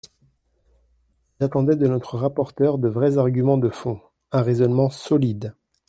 J’attendais de notre rapporteur de vrais arguments de fond, un raisonnement solide.